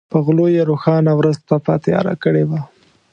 په غلو یې روښانه ورځ تپه تیاره کړې وه.